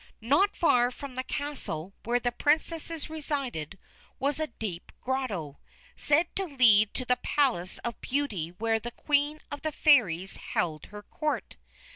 Not far from the castle where the Princesses resided was a deep grotto, said to lead to the Palace of Beauty where the Queen of the Fairies held her Court.